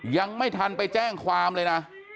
ยังไม่ทันไปแจ้งความเลยนะ